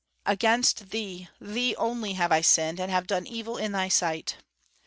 "Against Thee, Thee only, have I sinned, and have done this evil in Thy sight!"